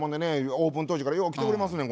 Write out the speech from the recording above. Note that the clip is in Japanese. オープン当時からよう来ておりますねん